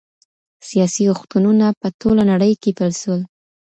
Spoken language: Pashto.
سياسي اوښتونونه په ټوله نړۍ کي پيل سول.